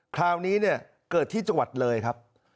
คราวนี้เนี่ยเกิดที่จังหวัดเลยครับ